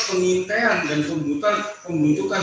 penintaian dan pemuntutan pemuntutan